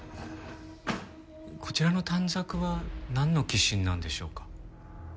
こちらの短冊はなんの寄進なんでしょうか？